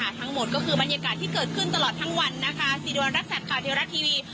ทั้งหมดก็คือบรรยากาศที่เกิดขึ้นตลอดทั้งวันนะคะสีดวรรณรักษาขาวเทวรัตน์ทีวี